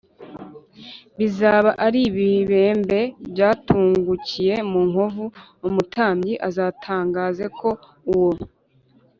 bizaba ari ibibembe byatungukiye mu nkovu Umutambyi azatangaze ko uwo